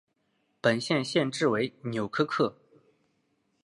本县县治为纽柯克。